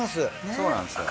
そうなんですよ。